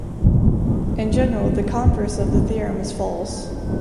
In general, the converse of the theorem is false.